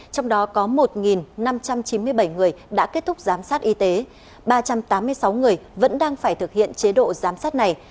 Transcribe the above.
trong đó có một năm trăm chín mươi bảy người đã kết thúc giám sát y tế ba trăm tám mươi sáu người vẫn đang phải thực hiện chế độ giám sát này